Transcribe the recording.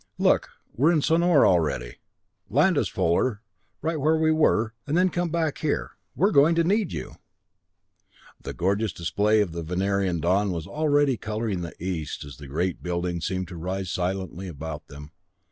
Look we're in Sonor already! Land us, Fuller right where we were, and then come back here. We're going to need you!" The gorgeous display of a Venerian dawn was already coloring the east as the great buildings seemed to rise silently about them.